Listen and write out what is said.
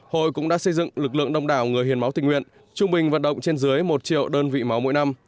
hội cũng đã xây dựng lực lượng đông đảo người hiến máu tình nguyện trung bình vận động trên dưới một triệu đơn vị máu mỗi năm